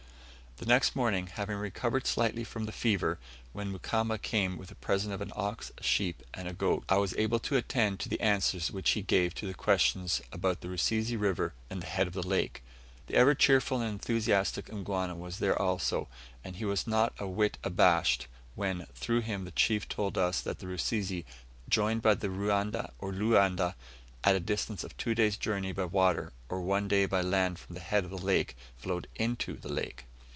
The next morning, having recovered slightly from the fever, when Mukamba came with a present of an ox, a sheep, and a goat, I was able to attend to the answers which he gave to the questions about the Rusizi River and the head of the lake. The ever cheerful and enthusiastic Mgwana was there also, and he was not a whit abashed, when, through him, the chief told us that the Rusizi, joined by the Ruanda, or Luanda, at a distance of two days' journey by water, or one day by land from the head of the lake, flowed INTO the lake.